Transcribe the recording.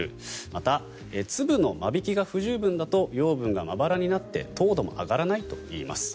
また、粒の間引きが不十分だと養分がまばらになって糖度も上がらないといいます。